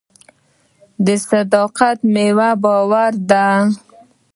د صداقت میوه باور دی.